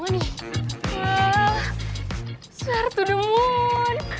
wah serta demun